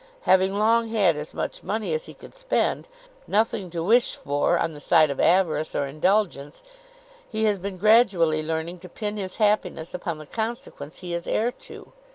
Having long had as much money as he could spend, nothing to wish for on the side of avarice or indulgence, he has been gradually learning to pin his happiness upon the consequence he is heir to.